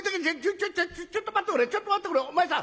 「ちょっちょっちょっと待っておくれちょっと待っておくれお前さん。